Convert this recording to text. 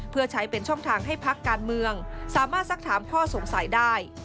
เพื่อใช้เป็นช่องทางให้พักการเมืองสามารถสักถามข้อสงสัยได้